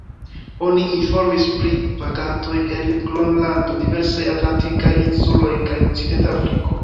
Oni informis pri vagantoj en Gronlando, diversaj atlantikaj insuloj kaj Okcidenta Afriko.